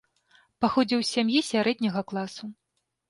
Паходзіў з сям'і сярэдняга класу.